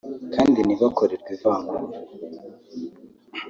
kandi ntibakorerwe ivangura